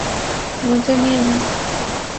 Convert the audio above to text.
মজা নিয়েন না।